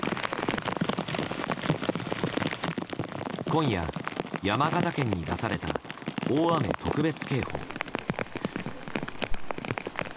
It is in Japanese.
今夜、山形県に出された大雨特別警報。